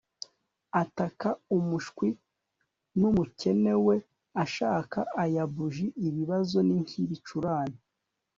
ataka umushwi n'umukene we ashaka aya buji ibibazo nink'ibicurane